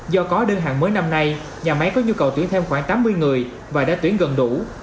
do có đơn hàng mới năm nay nhà máy có nhu cầu tuyển thêm khoảng tám mươi người và đã tuyển gần đủ